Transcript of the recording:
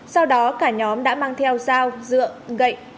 sau đó cả nhóm đã mang theo dao dựa gậy